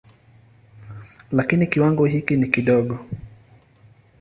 Lakini kiwango hiki ni kidogo.